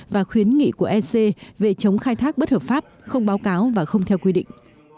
và khuyến nghị của ec về chống khai thác bất hợp pháp không báo cáo và không theo quy định